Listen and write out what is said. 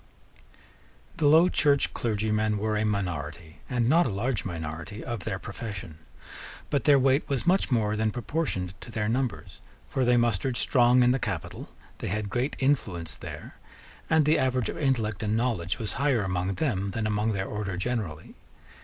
The Low Church clergymen were a minority, and not a large minority, of their profession: but their weight was much more than proportioned to their numbers: for they mustered strong in the capital: they had great influence there; and the average of intellect and knowledge was higher among them than among their order generally.